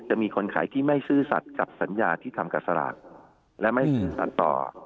จะมีคนขายที่ไม่ซื่อสัตว์กับสัญญาที่ทำกับสลากและไม่ซื้อสารต่อ